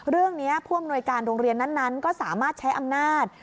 เรื่องนี้ผ่วงหน่วยการโรงเรียนนั้นก็สามารถใช้อำนาจ